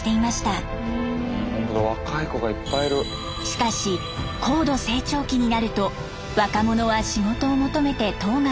しかし高度成長期になると若者は仕事を求めて島外へ。